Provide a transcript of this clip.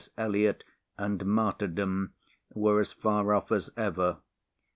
Eliot and martyrdom were as far off as ever.